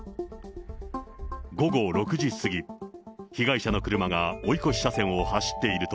午後６時過ぎ、被害者の車が追い越し車線を走っていると、